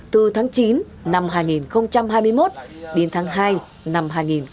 từ tháng chín năm hai nghìn hai mươi một đến tháng hai năm hai nghìn hai mươi ba